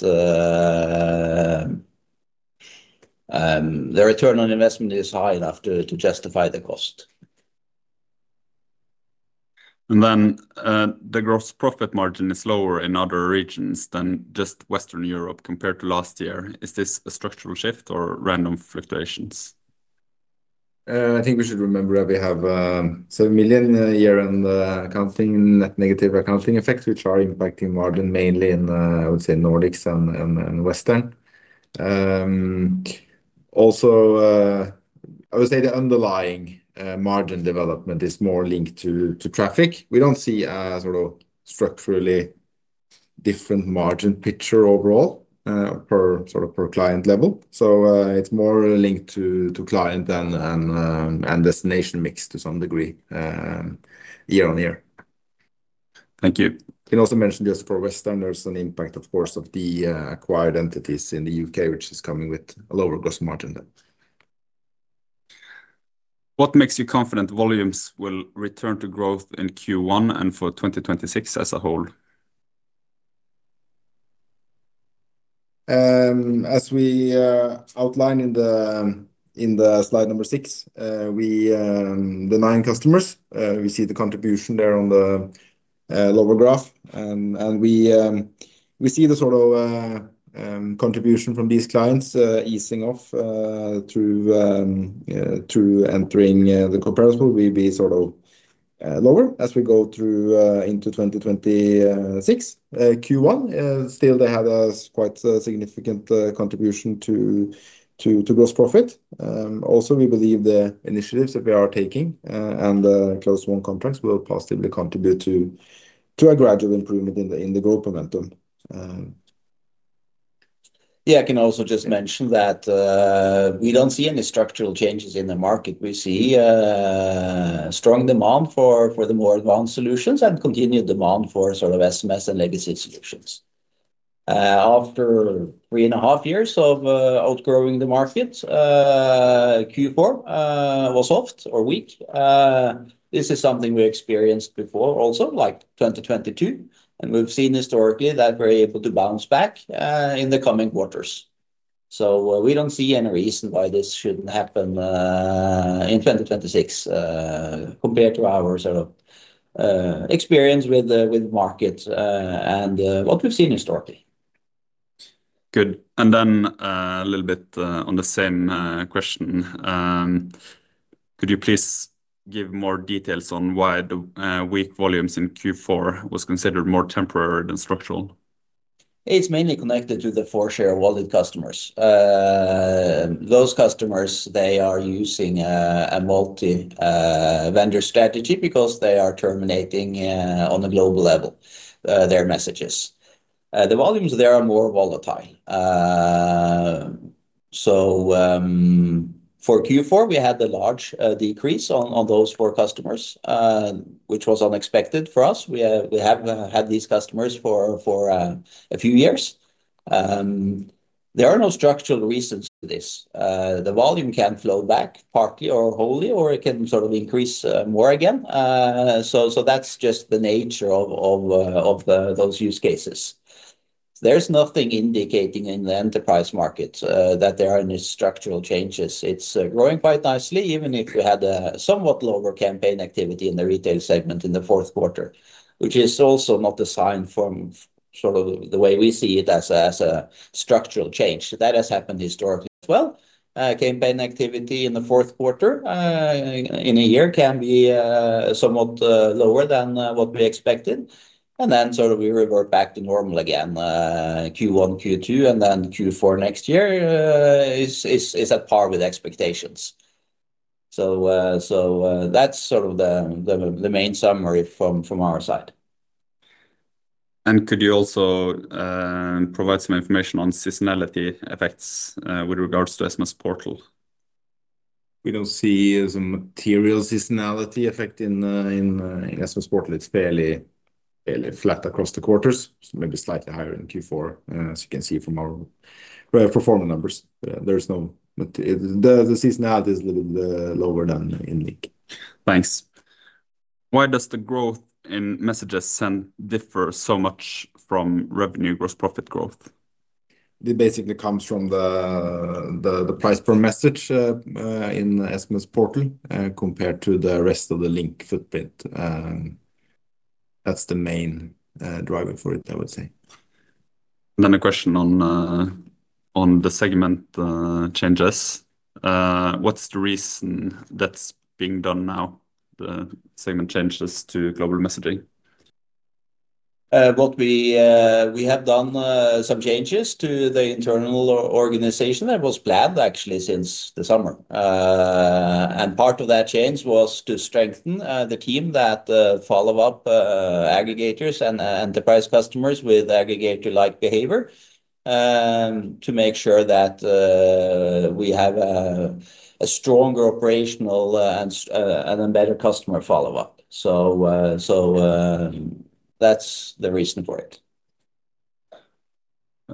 their return on investment is high enough to justify the cost.
Then, the gross profit margin is lower in other regions than just Western Europe compared to last year. Is this a structural shift or random fluctuations?
I think we should remember that we have 7 million a year on accounting, net negative accounting effects, which are impacting margin mainly in, I would say, Nordics and Western. Also, I would say the underlying margin development is more linked to traffic. We don't see a sort of structurally different margin picture overall, per sort of per client level. So, it's more linked to client than and destination mix to some degree, year-on-year.
Thank you.
Can also mention, just for Western, there's an impact, of course, of the acquired entities in the UK, which is coming with a lower gross margin then.
What makes you confident volumes will return to growth in Q1 and for 2026 as a whole?
As we outlined in the slide number 6, the 9 customers, we see the contribution there on the lower graph, and we see the sort of contribution from these clients easing off through entering the comparable will be sort of lower as we go through into 2026. Q1 still they had a quite significant contribution to gross profit. Also, we believe the initiatives that we are taking and the close won contracts will positively contribute to a gradual improvement in the growth momentum.
Yeah, I can also just mention that we don't see any structural changes in the market. We see strong demand for the more advanced solutions and continued demand for sort of SMS and legacy solutions. After three and a half years of outgrowing the market, Q4 was soft or weak. This is something we experienced before, also, like 2022, and we've seen historically that we're able to bounce back in the coming quarters. So we don't see any reason why this shouldn't happen in 2026, compared to our sort of experience with the market and what we've seen historically.
Good. Then, a little bit on the same question. Could you please give more details on why the weak volumes in Q4 was considered more temporary than structural?
It's mainly connected to the four shared wallet customers. Those customers, they are using a multi-vendor strategy because they are terminating on a global level their messages. The volumes there are more volatile. So, for Q4, we had a large decrease on those four customers, which was unexpected for us. We have had these customers for a few years. There are no structural reasons for this. The volume can flow back partly or wholly, or it can sort of increase more again. So, that's just the nature of those use cases. There's nothing indicating in the enterprise market that there are any structural changes. It's growing quite nicely, even if we had a somewhat lower campaign activity in the retail segment in the fourth quarter, which is also not a sign from sort of the way we see it as a structural change. That has happened historically as well. Campaign activity in the fourth quarter in a year can be somewhat lower than what we expected, and then sort of we revert back to normal again. Q1, Q2, and then Q4 next year is at par with expectations. So, that's sort of the main summary from our side.
Could you also provide some information on seasonality effects with regards to SMSPortal?
We don't see some material seasonality effect in SMSPortal. It's fairly, fairly flat across the quarters, maybe slightly higher in Q4, as you can see from our performance numbers. There's no... The, the seasonality is a little bit lower than in Link.
Thanks. Why does the growth in messages sent differ so much from revenue, gross profit growth?
It basically comes from the price per message in SMSPortal compared to the rest of the Link footprint. That's the main driver for it, I would say.
Then a question on the segment changes. What's the reason that's being done now, the segment changes to global messaging?
What we have done some changes to the internal organization that was planned actually since the summer. Part of that change was to strengthen the team that follow up aggregators and enterprise customers with aggregator-like behavior, to make sure that we have a stronger operational and a better customer follow-up. That's the reason for it.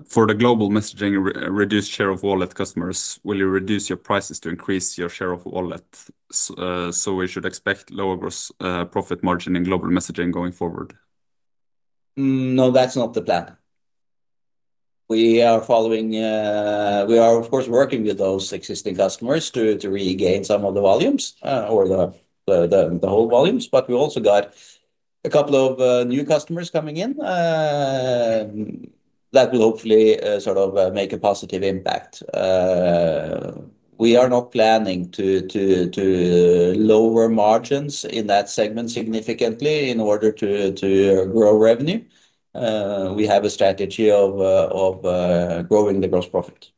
For the global messaging re-reduced share of wallet customers, will you reduce your prices to increase your share of wallet? So we should expect lower gross profit margin in global messaging going forward.
No, that's not the plan. We are following. We are, of course, working with those existing customers to regain some of the volumes or the whole volumes, but we also got a couple of new customers coming in that will hopefully sort of make a positive impact. We are not planning to lower margins in that segment significantly in order to grow revenue. We have a strategy of growing the gross profit.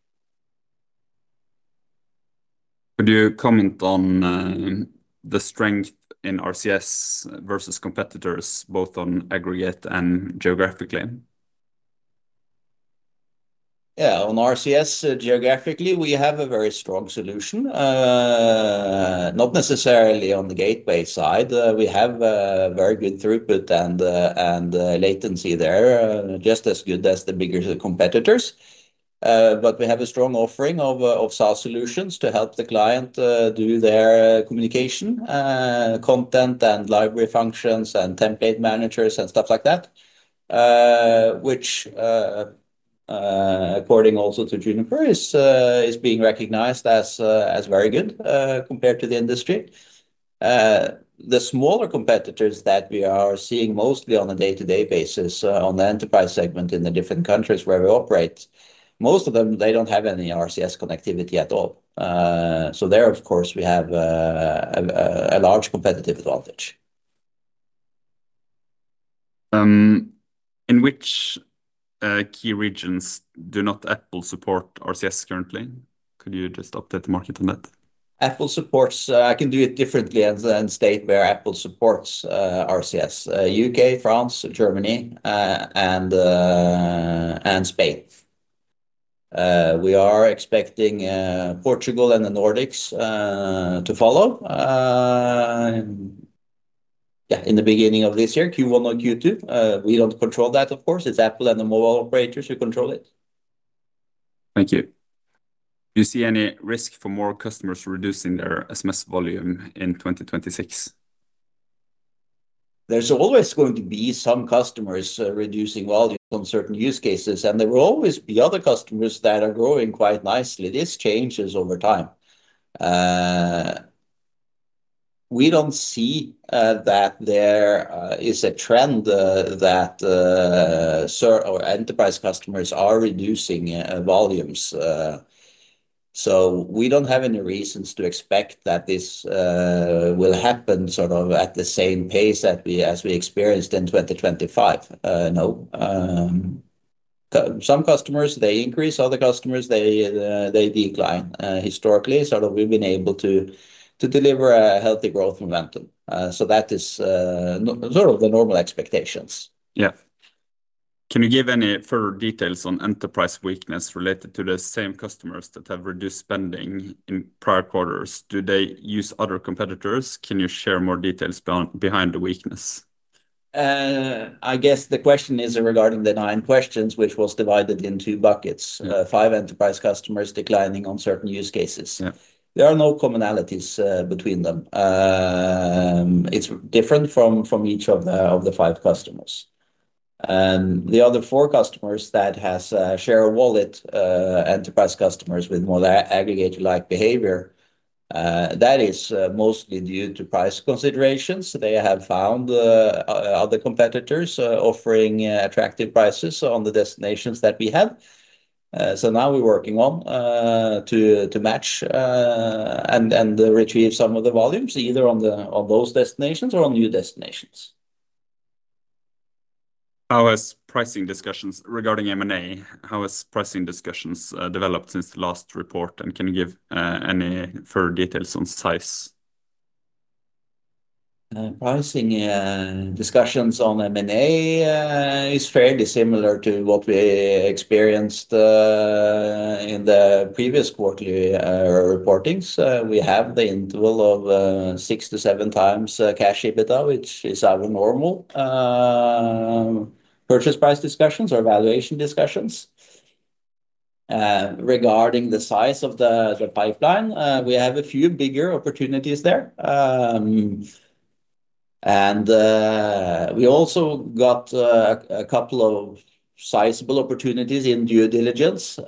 Could you comment on the strength in RCS versus competitors, both on aggregate and geographically?
Yeah. On RCS, geographically, we have a very strong solution. Not necessarily on the gateway side. We have a very good throughput and latency there, just as good as the bigger competitors. But we have a strong offering of SaaS solutions to help the client do their communication, content and library functions and template managers and stuff like that, which, according also to Juniper, is being recognized as very good compared to the industry. The smaller competitors that we are seeing mostly on a day-to-day basis, on the enterprise segment in the different countries where we operate, most of them, they don't have any RCS connectivity at all. So there, of course, we have a large competitive advantage....
In which key regions do not Apple support RCS currently? Could you just update the market on that?
Apple supports RCS. UK, France, Germany, and Spain. We are expecting Portugal and the Nordics to follow. Yeah, in the beginning of this year, Q1 or Q2. We don't control that, of course, it's Apple and the mobile operators who control it.
Thank you. Do you see any risk for more customers reducing their SMS volume in 2026?
There's always going to be some customers reducing volume on certain use cases, and there will always be other customers that are growing quite nicely. This changes over time. We don't see that there is a trend that SME or enterprise customers are reducing volumes. So we don't have any reasons to expect that this will happen sort of at the same pace that we, as we experienced in 2025. No, so some customers, they increase, other customers, they decline. Historically, sort of we've been able to deliver a healthy growth momentum. So that is our sort of the normal expectations.
Yeah. Can you give any further details on enterprise weakness related to the same customers that have reduced spending in prior quarters? Do they use other competitors? Can you share more details behind the weakness?
I guess the question is regarding the nine questions, which was divided in two buckets.
Yeah.
5 enterprise customers declining on certain use cases.
Yeah.
There are no commonalities between them. It's different from each of the five customers. And the other four customers that has share of wallet, enterprise customers with more aggregate-like behavior, that is mostly due to price considerations. They have found other competitors offering attractive prices on the destinations that we have. So now we're working on to match and retrieve some of the volumes, either on those destinations or on new destinations.
How are pricing discussions regarding M&A? How have pricing discussions developed since the last report, and can you give any further details on size?
Pricing discussions on M&A is fairly similar to what we experienced in the previous quarterly reportings. We have the interval of 6-7 times cash EBITDA, which is our normal purchase price discussions or valuation discussions. Regarding the size of the pipeline, we have a few bigger opportunities there. And we also got a couple of sizable opportunities in due diligence.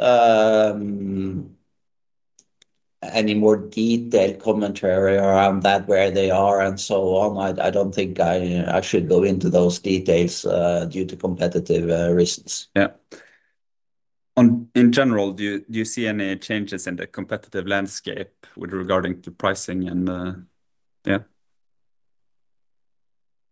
Any more detailed commentary around that, where they are and so on, I don't think I should go into those details due to competitive reasons.
Yeah. In general, do you, do you see any changes in the competitive landscape with regard to pricing and... Yeah.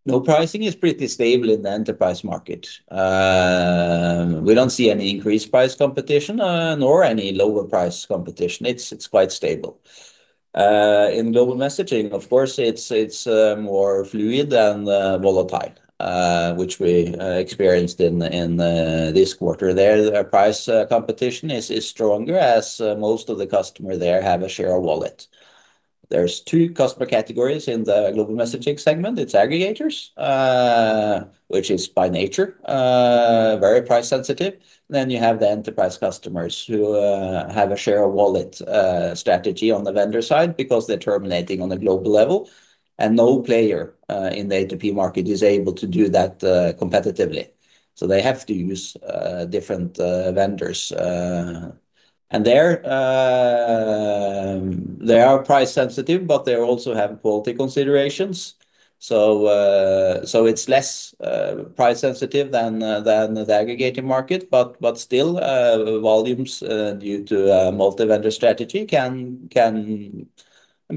No, pricing is pretty stable in the Enterprise market. We don't see any increased price competition, nor any lower price competition. It's quite stable. In Global Messaging, of course, it's more fluid than volatile, which we experienced in this quarter. The price competition is stronger, as most of the customer there have a share of wallet. There's two customer categories in the Global Messaging segment: it's aggregators, which is by nature very price sensitive. Then you have the Enterprise customers who have a share of wallet strategy on the vendor side because they're terminating on a global level, and no player in the A2P market is able to do that competitively. So they have to use different vendors. And they are price sensitive, but they also have quality considerations. So it's less price sensitive than the aggregating market, but still, volumes due to a multi-vendor strategy can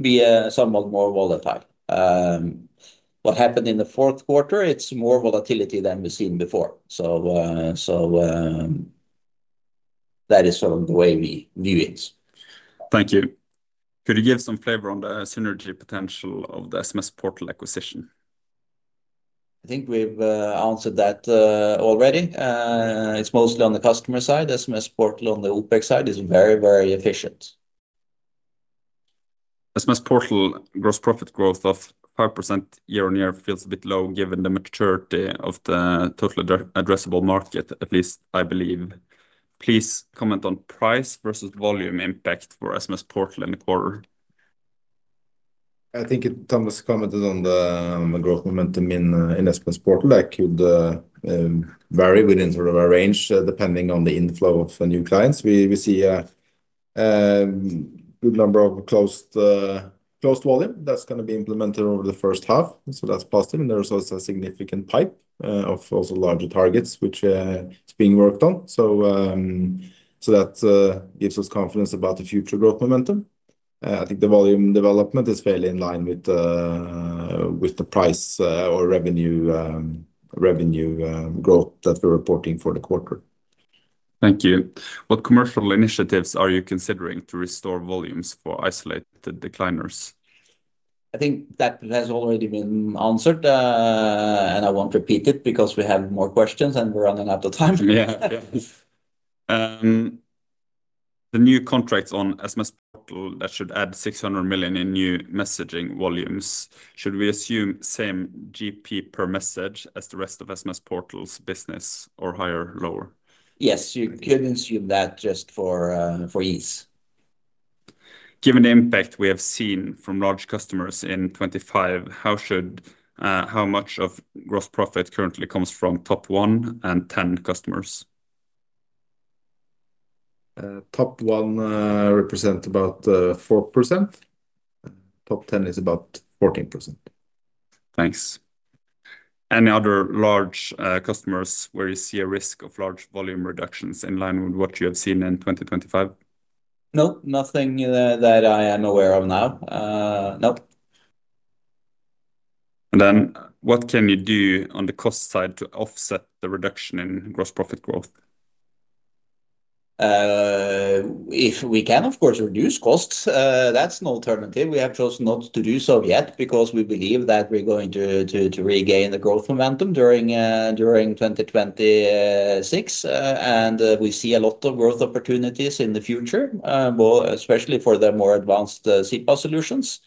be somewhat more volatile. What happened in the fourth quarter, it's more volatility than we've seen before. So that is sort of the way we view it.
Thank you. Could you give some flavor on the synergy potential of the SMSPortal acquisition?
I think we've answered that already. It's mostly on the customer side. SMSPortal on the OpEx side is very, very efficient.
SMSPortal gross profit growth of 5% year-on-year feels a bit low, given the maturity of the total addressable market, at least I believe. Please comment on price versus volume impact for SMSPortal in the quarter.
I think Thomas commented on the growth momentum in SMSPortal that could vary within sort of a range depending on the inflow of the new clients. We see a good number of closed volume that's gonna be implemented over the first half, so that's positive. And there is also a significant pipe of also larger targets, which is being worked on. So that gives us confidence about the future growth momentum. I think the volume development is fairly in line with the price or revenue growth that we're reporting for the quarter.
Thank you. What commercial initiatives are you considering to restore volumes for isolated decliners?
I think that has already been answered, and I won't repeat it because we have more questions, and we're running out of time.
Yeah. Yeah. The new contracts on SMSPortal, that should add 600 million in new messaging volumes. Should we assume same GP per message as the rest of SMSPortal's business or higher, lower?
Yes, you could assume that just for, for ease.
Given the impact we have seen from large customers in 2025, how much of gross profit currently comes from top 1 and 10 customers?
Top 1 represent about 4%. Top 10 is about 14%.
Thanks. Any other large customers where you see a risk of large volume reductions in line with what you have seen in 2025?
No, nothing that I am aware of now. No.
What can you do on the cost side to offset the reduction in gross profit growth?
If we can, of course, reduce costs, that's an alternative. We have chosen not to do so yet because we believe that we're going to regain the growth momentum during 2026. And we see a lot of growth opportunities in the future, well, especially for the more advanced CPaaS solutions.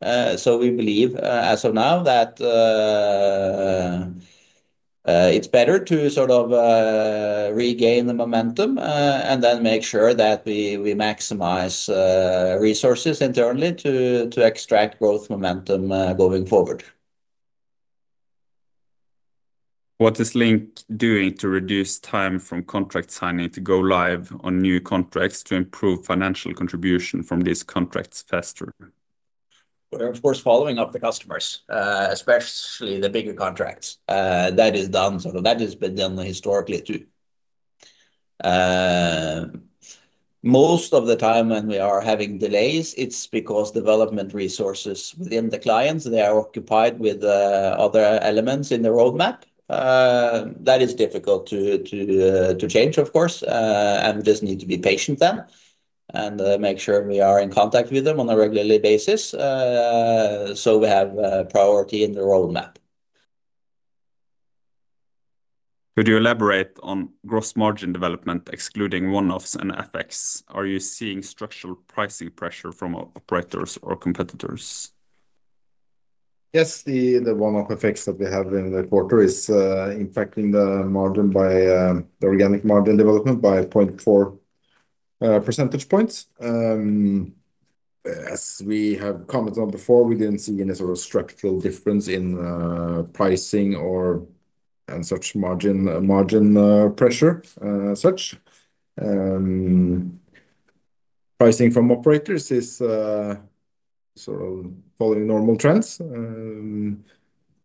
So we believe, as of now, that it's better to sort of regain the momentum, and then make sure that we maximize resources internally to extract growth momentum going forward.
What is Link doing to reduce time from contract signing to go live on new contracts to improve financial contribution from these contracts faster?
We're, of course, following up the customers, especially the bigger contracts. That is done. So that has been done historically, too. Most of the time when we are having delays, it's because development resources within the clients, they are occupied with other elements in the roadmap. That is difficult to change, of course, and we just need to be patient then and make sure we are in contact with them on a regular basis, so we have priority in the roadmap.
Could you elaborate on gross margin development, excluding one-offs and FX? Are you seeing structural pricing pressure from operators or competitors?
Yes, the one-off effects that we have in the quarter is impacting the margin by the organic margin development by 0.4 percentage points. As we have commented on before, we didn't see any sort of structural difference in pricing and such margin pressure as such. Pricing from operators is sort of following normal trends.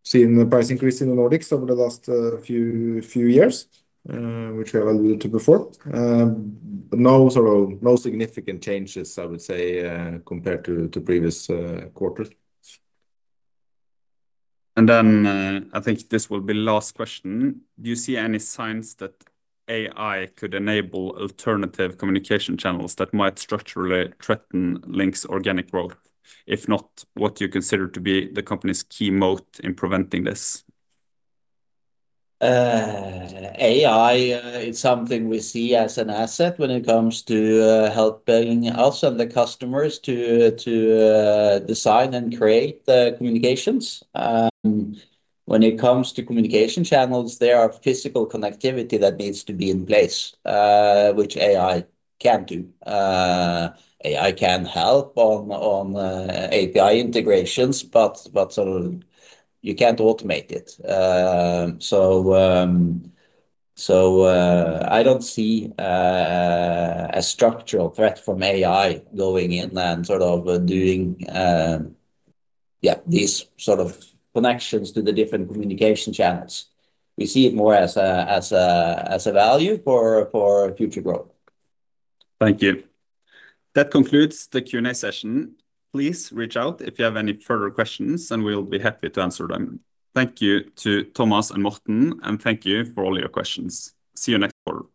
Seeing the price increase in the Nordics over the last few years, which we have alluded to before. But no significant changes, I would say, compared to previous quarters.
And then, I think this will be last question: Do you see any signs that AI could enable alternative communication channels that might structurally threaten Link's organic growth? If not, what do you consider to be the company's key moat in preventing this?
AI is something we see as an asset when it comes to helping us and the customers to design and create the communications. When it comes to communication channels, there are physical connectivity that needs to be in place, which AI can't do. AI can help on API integrations, but sort of you can't automate it. So, I don't see a structural threat from AI going in and sort of doing yeah these sort of connections to the different communication channels. We see it more as a value for future growth.
Thank you. That concludes the Q&A session. Please reach out if you have any further questions, and we'll be happy to answer them. Thank you to Thomas and Morten, and thank you for all your questions. See you next quarter.